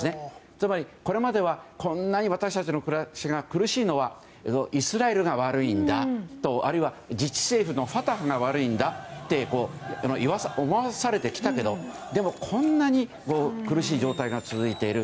つまり、これまではこんなに私たちの暮らしが苦しいのはイスラエルが悪いんだあるいは自治政府のファタハが悪いんだと思わされてきたけどでも、こんなに苦しい状態が続いている。